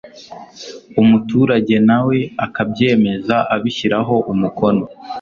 umuturage nawe akabyemeza abishyiraho umukono.